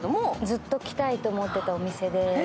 ずっと来たいと思ってたお店で。